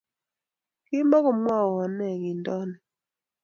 Kimokumowoi nee kindonik.